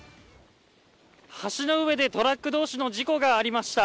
橋の上でトラック同士の事故がありました。